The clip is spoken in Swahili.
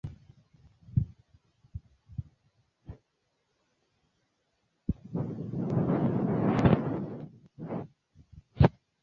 Wanajeshi hao wametajwa kuwa Jean Pierre Habyarimana